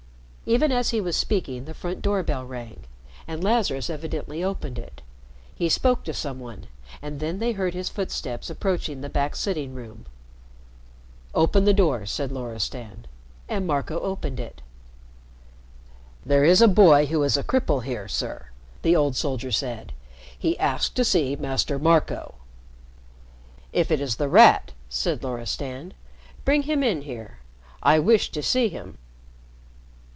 Even as he was speaking, the front door bell rang and Lazarus evidently opened it. He spoke to some one, and then they heard his footsteps approaching the back sitting room. "Open the door," said Loristan, and Marco opened it. "There is a boy who is a cripple here, sir," the old soldier said. "He asked to see Master Marco." "If it is The Rat," said Loristan, "bring him in here. I wish to see him."